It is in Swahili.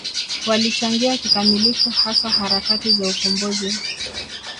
Walichangia kikamilifu hasa harakati za ukombozi